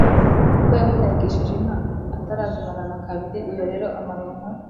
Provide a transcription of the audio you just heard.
kuko yamunyagishije inka atarazimarana kabiri. Iyo rero amaronko